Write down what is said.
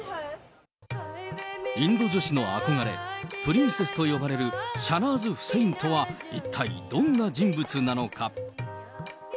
インド女子の憧れ、プリンセスと呼ばれるシャナーズ・フセインとは、一体、どんな人物なのか。